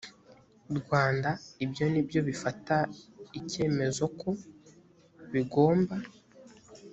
rwanda ibyo nibyo bifata icyemezoku bigomba